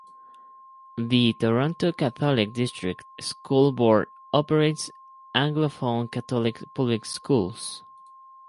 The Toronto Catholic District School Board operates Anglophone Catholic public schools.